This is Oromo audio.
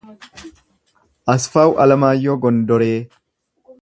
Asfaawu Alamaayyoo Gondoree